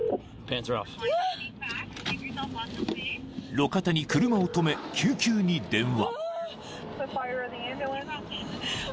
［路肩に車を止め救急に電話］